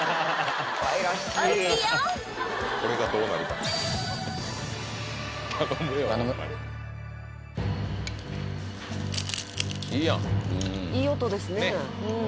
これがどうなるか頼むいい音ですね